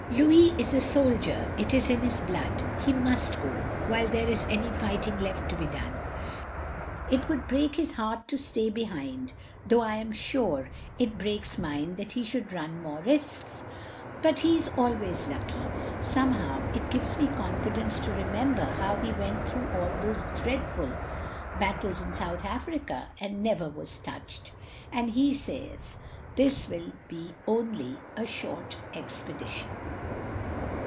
Louis is a soldier; it is in his blood. He must go, while there is any fighting left to be done. It would break his heart to stay behind; though I am sure it breaks mine that he should nm more risks. But he is al ways lucky. Somehow it gives me confidence OF GROSVENOR SQUARE 8i to remember how he went through all those dreadftd battles in South Africa and never was touched. And he says this will be only a short expedition.